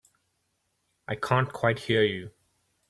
I can't quite hear you.